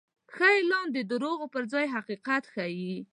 ښه اعلان د دروغو پر ځای حقیقت ښيي.